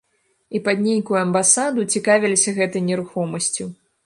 І пад нейкую амбасаду цікавіліся гэтай нерухомасцю.